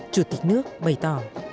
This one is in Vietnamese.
chủ tịch nước bày tỏ